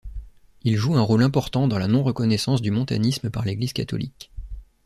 Il joue un rôle important dans la non-reconnaissance du montanisme par l'Église catholique.